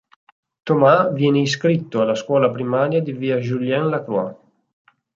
Thomas viene iscritto alla scuola primaria di via Julien-Lacroix.